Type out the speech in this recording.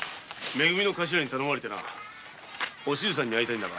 め組のカシラに頼まれてなお静さんに会いたいのだが。